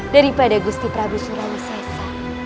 daripada gusti prabu surawisesa